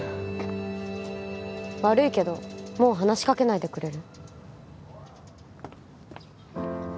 悪いけどもう話しかけないでくれる？